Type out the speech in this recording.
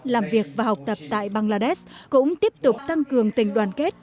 làm việc và học tập tại bangladesh cũng tiếp tục tăng cường tình đoàn kết